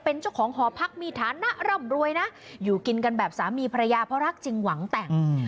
เป็นเจ้าของหอพักมีฐานะร่ำรวยนะอยู่กินกันแบบสามีภรรยาเพราะรักจริงหวังแต่ง